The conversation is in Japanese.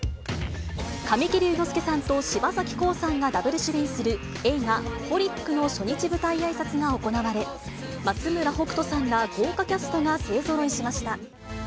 神木隆之介さんと柴咲コウさんがダブル主演する映画、ホリックの初日舞台あいさつが行われ、松村北斗さんら豪華キャストが勢ぞろいしました。